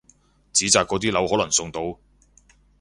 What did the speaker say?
紙紮嗰啲樓可能送到！